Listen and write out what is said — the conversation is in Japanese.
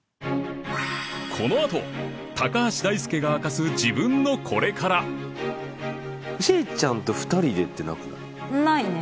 このあと高橋大輔が明かす自分のこれからしーちゃんと２人でってなくない？ないね。